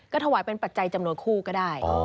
ถวายเป็นปัจจัยจำนวนคู่ก็ได้